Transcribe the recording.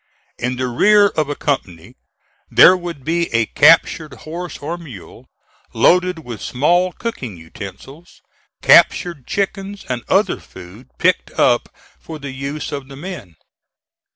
In the rear of a company there would be a captured horse or mule loaded with small cooking utensils, captured chickens and other food picked up for the use of the men.